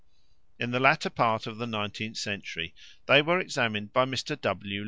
In the latter part of the nineteenth century they were examined by Mr. W.